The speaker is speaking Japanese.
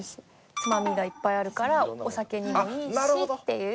つまみがいっぱいあるからお酒にもいいしっていう。